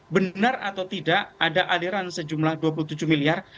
benar atau tidak ada aliran sejumlah dua puluh tujuh miliar